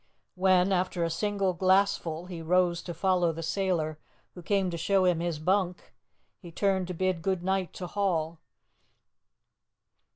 When, after a single glassful, he rose to follow the sailor who came to show him his bunk, he turned to bid good night to Hall.